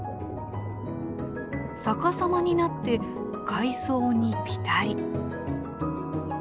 逆さまになって海藻にピタリ。